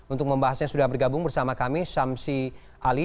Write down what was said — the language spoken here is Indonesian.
untuk membahasnya sudah bergabung bersama kami syamsi ali